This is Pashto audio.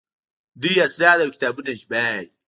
دوی اسناد او کتابونه ژباړي.